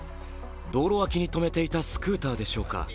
道路脇に止めていたスクーターでしょうか。